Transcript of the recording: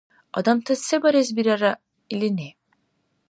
Адамтас се барес бирара илини?